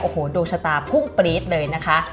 โอ้โหดูฉถาภุกปรี๊ดเลยนะคะ